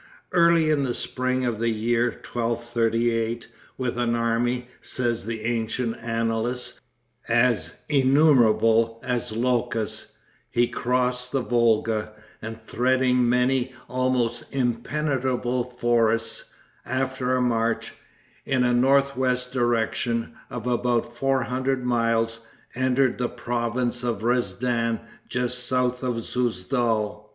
Early in the spring of the year 1238, with an army, say the ancient annalists, "as innumerable as locusts," he crossed the Volga, and threading many almost impenetrable forests, after a march, in a north west direction, of about four hundred miles, entered the province of Rezdan just south of Souzdal.